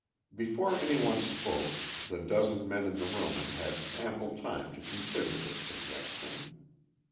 Before any one spoke the dozen men in the room had had ample time to consider this suggestion.